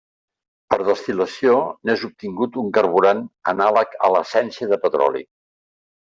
Per destil·lació n'és obtingut un carburant anàleg a l'essència de petroli.